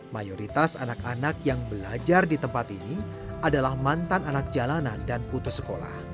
mayoritas anak anak yang belajar di tempat ini adalah mantan anak jalanan dan putus sekolah